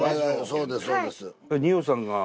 そうですそうです。